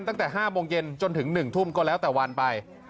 ตั้งแต่๕โมงเย็นจนถึง๑ทุ่มก็แล้วแต่วันไป